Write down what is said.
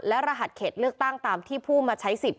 และรหัสเขตเลือกตั้งตามที่ผู้มาใช้สิทธิ